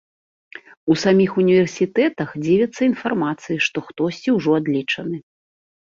У саміх універсітэтах дзівяцца інфармацыі, што хтосьці ўжо адлічаны.